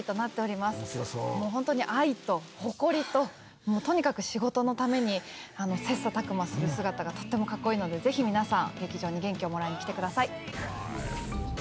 もうホントに愛と誇りととにかく仕事のために切磋琢磨する姿がとてもかっこいいのでぜひ皆さん劇場に元気をもらいに来てください。